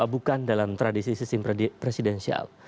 bukan dalam tradisi sistem presidensial